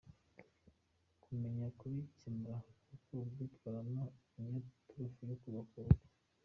Kumenya kubikemura n’uko ubyitwaramo niyo turufu yo kubaka urugo.